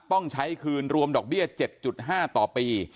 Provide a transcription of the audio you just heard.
ต้องใช้คืนรวมดอกเบี้ย๗๕ต่อปี